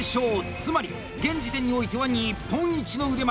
つまり、現時点においては日本一の腕前！